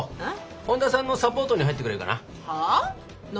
本田さんのサポートに入ってくれるかな？